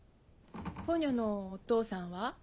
ポニョのお父さんは？